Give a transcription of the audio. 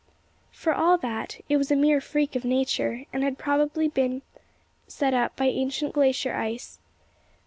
For all that, it was a mere freak of Nature, and had probably been set up by ancient glacier ice.